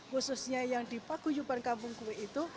khususnya yang di paguyuban kampung kue itu